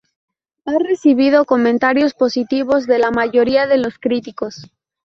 Ha recibido comentarios positivos de la mayoría de los críticos.